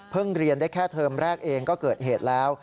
เรียนได้แค่เทอมแรกเองก็เกิดเหตุแล้ว